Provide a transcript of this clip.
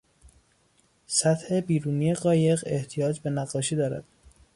سطح بیرونی قایق احتیاج به نقاشی دارد.